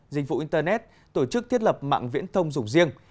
dịch vụ internet tổ chức thiết lập mạng viễn thông dùng riêng